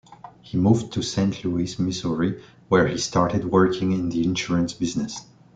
He moved to Saint Louis, Missouri where he started working in the insurance business.